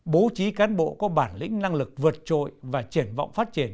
bố trí cán bộ có bản lĩnh năng lực vượt trội và triển vọng phát triển